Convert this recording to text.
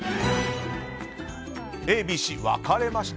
Ａ、Ｂ、Ｃ分かれました。